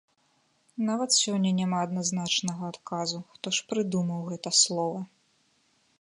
Нават сёння няма адназначнага адказу, хто ж прыдумаў гэта слова.